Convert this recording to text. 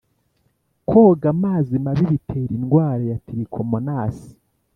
Koga amazi mabi bitera indwara ya tirikomonasi